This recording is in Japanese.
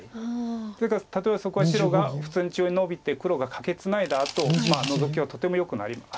例えばそこへ白が普通に中央にノビて黒がカケツナいだあとノゾキはとてもよく。